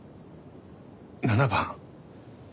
７番。